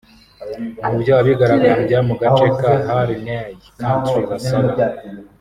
Mu byo abigaragambya mu gace ka Harney County basaba